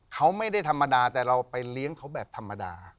เขาไม่ได้ธรรมดาแต่เราไปเลี้ยงเขาแบบธรรมดา